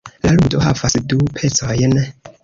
La ludo havas du pecojn.